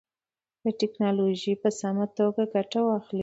له ټکنالوژۍ په سمه توګه ګټه واخلئ.